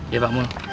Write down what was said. iya pak mul